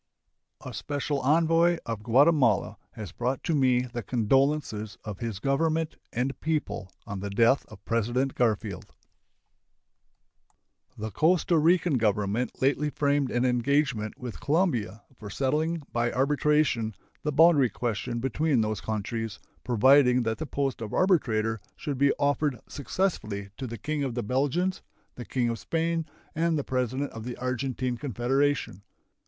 A special envoy of Guatemala has brought to me the condolences of his Government and people on the death of President Garfield. The Costa Rican Government lately framed an engagement with Colombia for settling by arbitration the boundary question between those countries, providing that the post of arbitrator should be offered successively to the King of the Belgians, the King of Spain, and the President of the Argentine Confederation.